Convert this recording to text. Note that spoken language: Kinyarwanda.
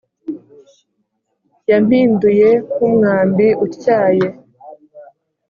Yampinduye nk umwambi utyaye